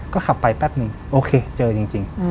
ก็ขับไปแป๊บนึงโอเคเจอจริง